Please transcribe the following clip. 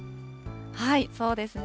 そうですね。